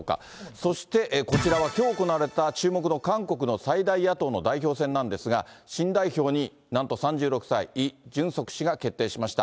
そして、こちらはきょう行われた注目の韓国の最大野党の代表選なんですが、新代表になんと３６歳、イ・ジュンソク氏が決定しました。